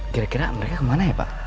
kira kira mereka kemana ya pak